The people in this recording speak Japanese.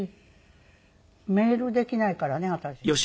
メールできないからね私じゃ。